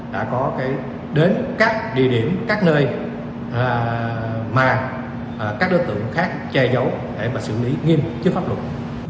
đã có đến các địa điểm các nơi mà các đối tượng khác che giấu để xử lý nghiêm trước pháp luật